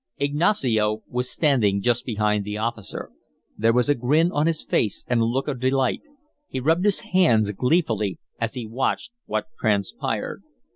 Ignacio was standing just behind the officer. There was a grin on his face and a look of delight; he rubbed his hands gleefully as he watched what transpired.